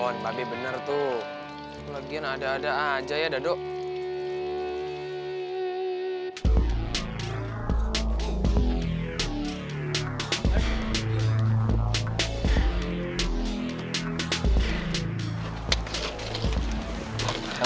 oh babi bener tuh lagian ada ada aja ya daduk